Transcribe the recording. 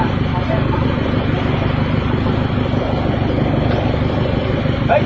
ไอ้กูไม่ชอบไอ้พวกมันหรอ